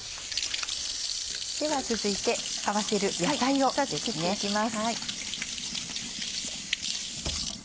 では続いて合わせる野菜を切っていきます。